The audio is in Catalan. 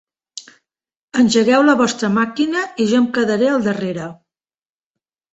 Engegueu la vostra màquina i jo em quedaré al darrere.